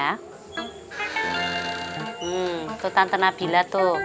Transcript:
hmm tuh tante nabila tuh